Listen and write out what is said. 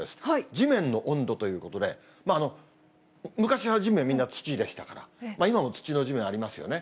地面の温度ということで、昔は地面、みんな土でしたから、今も土の地面ありますよね。